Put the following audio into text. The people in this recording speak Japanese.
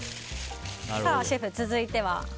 シェフ、続いては。